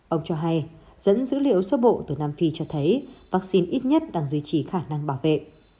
ông cho hay dẫn dữ liệu sơ bộ từ nam phi cho thấy vaccine ít nhất đang duy trì khả năng bảo vệ